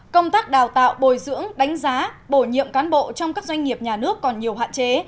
công tác đào tạo bồi dưỡng đánh giá bổ nhiệm cán bộ trong các doanh nghiệp nhà nước còn nhiều hạn chế